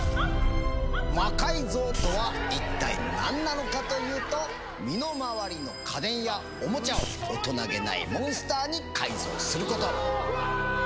「魔改造」とは一体何なのかというと身の回りの家電やオモチャを大人気ないモンスターに改造すること。